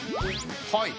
はい。